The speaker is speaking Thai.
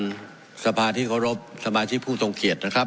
ผมจะขออนุญาตให้ท่านอาจารย์วิทยุซึ่งรู้เรื่องกฎหมายดีเป็นผู้ชี้แจงนะครับ